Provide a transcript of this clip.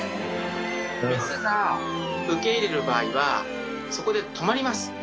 雌が受け入れる場合はそこで止まります。